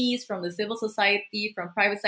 dari masyarakat dari sektor pribadi